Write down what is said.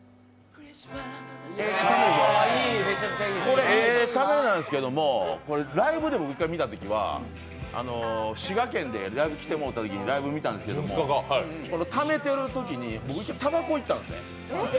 これ、ええためなんですけども、ライブで１回見たときは滋賀県でライブ来てもうたときにライブ見たんですけど、このためているときに、たばこに行ったんですね。